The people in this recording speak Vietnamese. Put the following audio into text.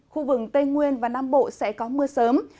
khu vực tây nguyên và nam bộ sẽ có mưa sớm